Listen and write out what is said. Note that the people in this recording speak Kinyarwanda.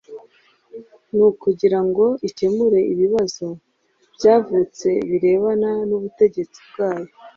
Ni ukugira ngo ikemure ibibazo byavutse birebana n’ubutegetsi bwayo